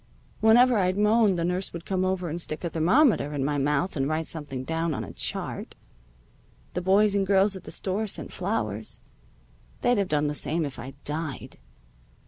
Whenever I'd moan the nurse would come over and stick a thermometer in my mouth and write something down on a chart. The boys and girls at the store sent flowers. They'd have done the same if I'd died.